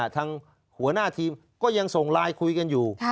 ทางหัวหน้าทีมก็ยังส่งไลน์คุยกันอยู่